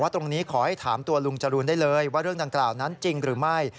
ตรงนี้ขอให้ถามตัวลุงจรูนได้เลยว่าเรื่องดังกล่าวนั้นจริงหรือไม่